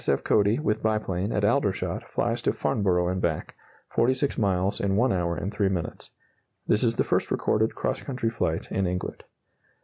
F. Cody, with biplane, at Aldershot, flies to Farnborough and back 46 miles in 1 hour and 3 minutes. This is the first recorded cross country flight in England.